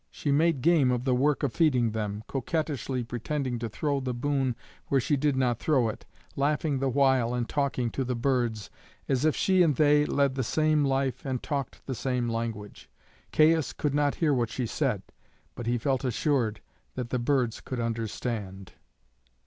She made game of the work of feeding them, coquettishly pretending to throw the boon where she did not throw it, laughing the while and talking to the birds, as if she and they led the same life and talked the same language. Caius could not hear what she said, but he felt assured that the birds could understand.